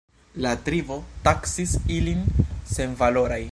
La tribo taksis ilin senvaloraj.